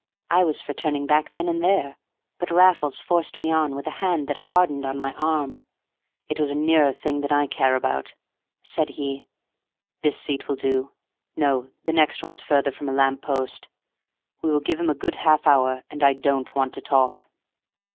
I was for turning back then and there, but Raffles forced me on with a hand that hardened on my arm. "It was a nearer thing than I care about," said he. "This seat will do; no, the next one's further from a lamp post. We will give him a good half hour, and I don't want to talk."